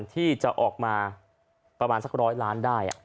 ที่จะออกมาประมาณสักร้อยล้านได้